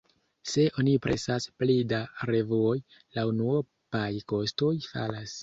Se oni presas pli da revuoj, la unuopaj kostoj falas.